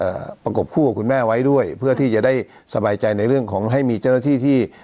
ประกบคู่กับคุณแม่ไว้ด้วยเพื่อที่จะได้สบายใจในเรื่องของให้มีเจ้าหน้าที่ที่